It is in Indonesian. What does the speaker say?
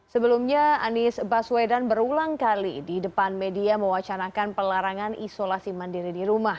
sebelumnya anies baswedan berulang kali di depan media mewacanakan pelarangan isolasi mandiri di rumah